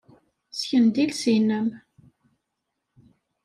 Ssken-d iles-nnem.